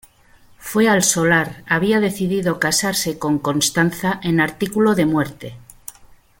Fue al solar había decidido casarse con Constanza en artículo de muerte.